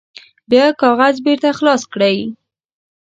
بیا کاغذ بیرته خلاص کړئ.